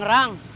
ya udah kang